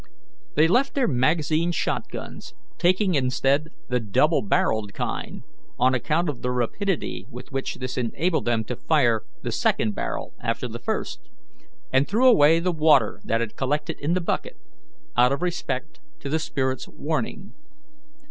They left their magazine shot guns, taking instead the double barrelled kind, on account of the rapidity with which this enabled them to fire the second barrel after the first, and threw away the water that had collected in the bucket, out of respect to the spirit's warning.